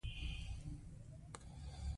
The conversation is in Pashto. پیاز د شنو پاڼو نه وده کوي